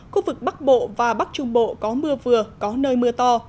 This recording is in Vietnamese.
khu vực bắc bộ và bắc trung bộ có mưa vừa có nơi mưa to